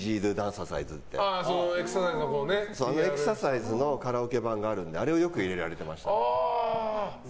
そのエクササイズのカラオケ版があるんであれをよく入れられてました。